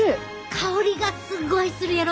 香りがすっごいするやろ！